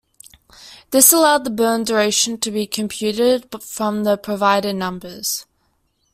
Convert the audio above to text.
This allowed the burn duration to be computed from the provided numbers.